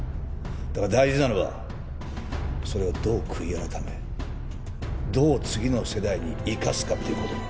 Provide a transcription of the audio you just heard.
だが大事なのはそれをどう悔い改めどう次の世代に生かすかっていう事だ。